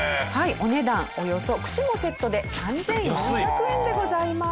お値段およそ串もセットで３４００円でございます。